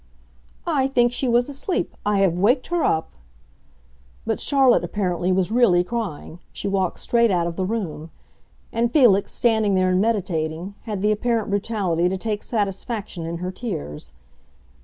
"I think she was asleep; I have waked her up!" But Charlotte, apparently, was really crying, she walked straight out of the room. And Felix, standing there and meditating, had the apparent brutality to take satisfaction in her tears.